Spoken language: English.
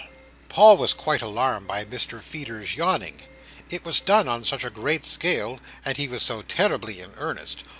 Ya a a ah!" Paul was quite alarmed by Mr Feeder's yawning; it was done on such a great scale, and he was so terribly in earnest.